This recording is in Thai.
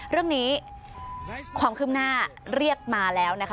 เรื่องนี้ความคืบหน้าเรียกมาแล้วนะคะ